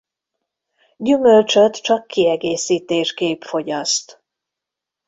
Gyümölcsöt csak kiegészítésképp fogyaszt.